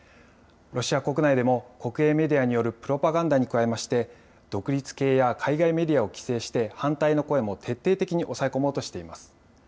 ロシア国内でも、国営メディアによるプロパガンダに加えまして、独立系や、海外メディアを規制して、反対の声も徹底的に抑え込もうとしています。